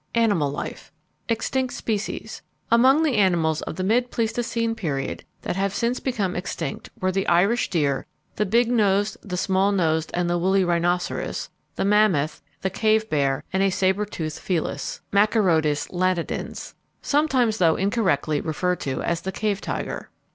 ANIMAL LIFE Extinct Species. Among the animals of the mid Pleistocene period that have since become extinct were the Irish deer; the big nosed, the small nosed, and the woolly rhinoceros; the mammoth; the cave bear; and a sabre toothed felis (Machairodus latidens), sometimes, though incorrectly, referred to as the cave tiger.